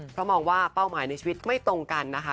เพราะมองว่าเป้าหมายในชีวิตไม่ตรงกันนะคะ